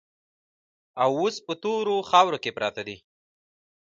او اوس په تورو خاورو کې پراته دي.